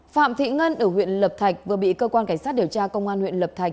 phạm thị ngân ở huyện lập thạch vừa bị cơ quan cảnh sát điều tra công an huyện lập thạch